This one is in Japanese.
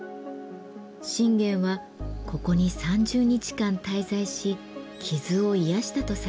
信玄はここに３０日間滞在し傷を癒やしたとされています。